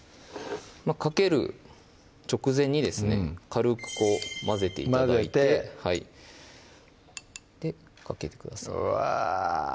かける直前にですね軽く混ぜて頂いて混ぜてかけてくださいうわ